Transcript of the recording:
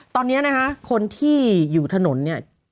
ตอนนี้นะคะคนที่อยู่ถนนเนี่ย